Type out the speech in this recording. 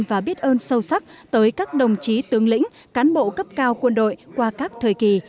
và biết ơn sâu sắc tới các đồng chí tướng lĩnh cán bộ cấp cao quân đội qua các thời kỳ